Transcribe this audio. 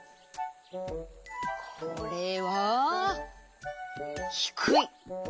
これはひくい。